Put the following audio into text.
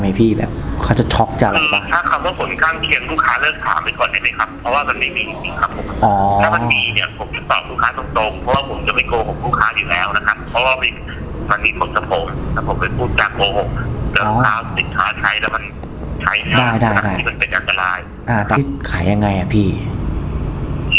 ผู้หญิงอยากจะถอดเทือภาพเพราะว่าก็ร้อนข้างในจะเสียว